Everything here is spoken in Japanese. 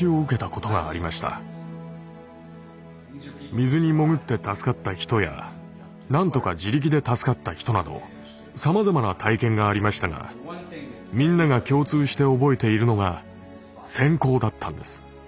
水に潜って助かった人やなんとか自力で助かった人などさまざまな体験がありましたがみんなが共通して覚えているのが「閃光」だったんです。